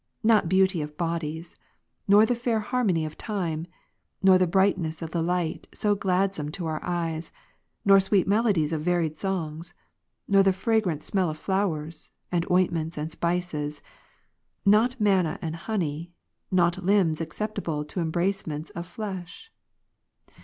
not beauty of bodies, nor the fair harmony of time, nor the brightness of the light, so gladsome to our eyes, nor sweet melodies of varied songs, nor the fragrant smell of flowers, and ointments, and spices, not manna and honey, not limbs acceptable to embracements of flesh.